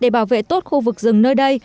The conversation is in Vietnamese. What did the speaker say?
để bảo vệ tốt khu vực rừng nơi đây